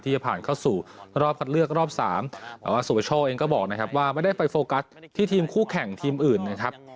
จะผ่านเข้าสู่รอบคัดเลือกรอบสามแต่ว่าสุประโชคเองก็บอกนะครับว่าไม่ได้ไปโฟกัสที่ทีมคู่แข่งทีมอื่นนะครับ